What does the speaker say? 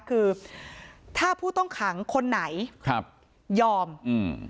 คือถ้าผู้ต้องขังคนไหนครับยอมอืม